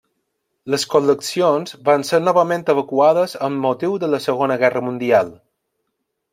Les col·leccions van ser novament evacuades amb motiu de la Segona Guerra Mundial.